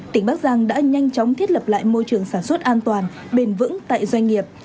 tỉnh bắc giang đã nhanh chóng thiết lập lại môi trường sản xuất an toàn bền vững tại doanh nghiệp